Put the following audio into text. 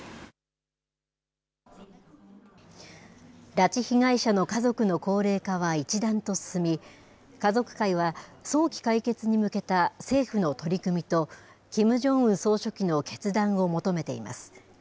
拉致被害者の家族の高齢化は一段と進み、家族会は早期解決に向けた政府の取り組みと、キム・ジョンウン総書記の決断を求めています。